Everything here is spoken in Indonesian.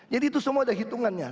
jadi itu semua ada hitungannya